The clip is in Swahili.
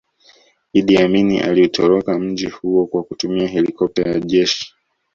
Idi Amin aliutoroka mji huo kwa kutumia helikopta ya jeshi